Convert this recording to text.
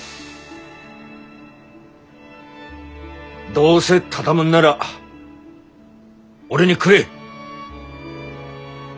どうせ畳むんなら俺にくれ！